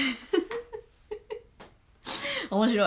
面白い。